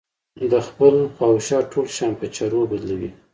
د خپل خواوشا ټول شيان په چرو بدلوي.